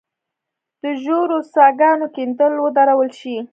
د ژورو څاه ګانو کیندل ودرول شي.